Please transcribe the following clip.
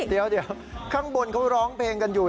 เดี๋ยวข้างบนเขาร้องเพลงกันอยู่